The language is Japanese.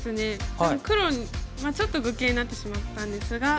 でも黒ちょっと愚形になってしまったんですが。